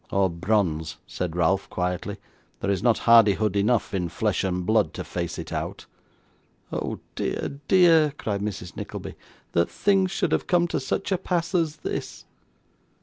'Or bronze,' said Ralph, quietly; 'there is not hardihood enough in flesh and blood to face it out.' 'Oh dear, dear!' cried Mrs. Nickleby, 'that things should have come to such a pass as this!